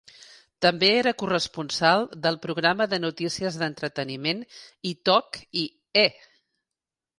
També era corresponsal del programa de notícies d'entreteniment "etalk" i E!